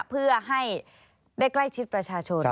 เพื่อให้ได้ใกล้ชิดประชาชน